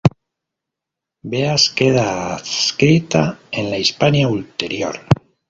Beas queda adscrita en la Hispania Ulterior.